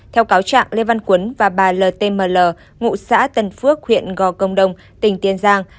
theo cáo trạng lê văn quấn và bà ltml ngụ xã tân phước huyện gò công đông tỉnh tiền giang